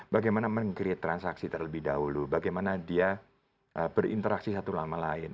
bagaimana meng create transaksi terlebih dahulu bagaimana dia berinteraksi satu sama lain